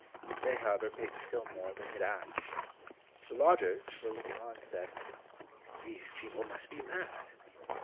They, however, paid still more than he had asked. The lodgers, who were looking on, said, "These people must be mad."